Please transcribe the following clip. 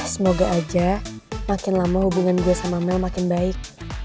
semoga aja makin lama hubungan gue sama mel makin baik